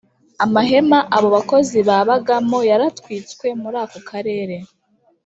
Amahema abo bakozi babagamo yaratwitswe Muri ako karere